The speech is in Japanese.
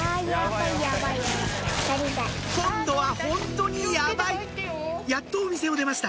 今度はホントにやばいやっとお店を出ました